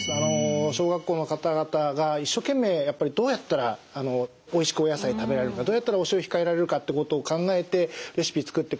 小学校の方々が一生懸命どうやったらおいしくお野菜食べられるかどうやったらお塩控えられるかってことを考えてレシピ作ってくれる。